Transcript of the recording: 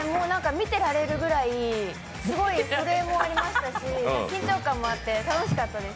見てられるぐらいすごい震えもありましたし、緊張感もあって楽しかったです。